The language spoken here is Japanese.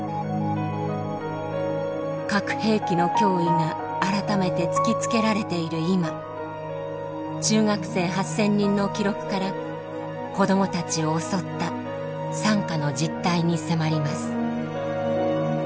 核兵器の脅威が改めて突きつけられている今中学生８，０００人の記録から子どもたちを襲った惨禍の実態に迫ります。